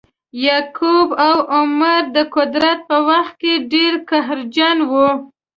یعقوب او عمرو د قدرت په وخت کې ډیر قهرجن وه.